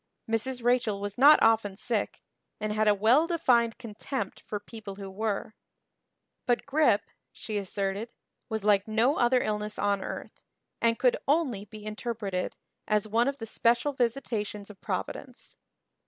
Mrs. Rachel was not often sick and had a well defined contempt for people who were; but grippe, she asserted, was like no other illness on earth and could only be interpreted as one of the special visitations of Providence.